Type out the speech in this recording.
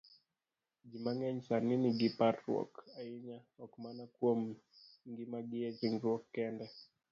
Ji mang'eny sani nigi parruok ahinya, ok mana kuom ngimagi e ringruok kende,